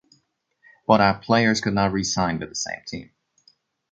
Bought out players could not re-sign with the same team.